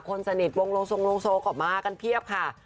คนสนิทวงโรงโซกออกมากันเพียบค่ะ